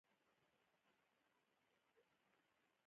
ژرنده او اهنګري د دوی ملکیت و.